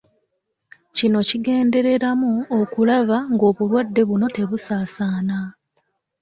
Kino kigendereramu okulaba ng'obulwadde buno tebusaasaana.